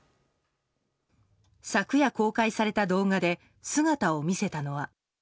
昨夜公開された動画で姿を見せたのは。